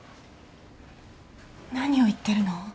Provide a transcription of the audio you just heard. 何を言ってるの？